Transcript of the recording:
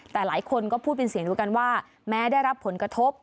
แต่หลายคนก็พูดเป็นเสียงเดียวกันว่าแม้ได้รับผลกระทบ